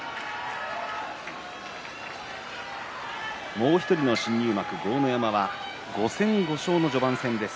もう１人の新入幕豪ノ山は５戦５勝の序盤戦です。